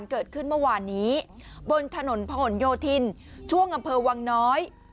เหตุการณ์เกิดขึ้นเมื่อวานนี้บนถนนพหลโยธินช่วงอำเภอวังน้อย